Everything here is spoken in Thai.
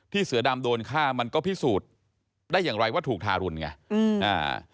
เสือดำโดนฆ่ามันก็พิสูจน์ได้อย่างไรว่าถูกทารุณไงอืมอ่า